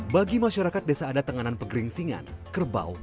bagi masyarakat desa adat tengganan pegering singan kerbau